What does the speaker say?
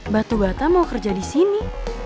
batu bata mau kerja di sini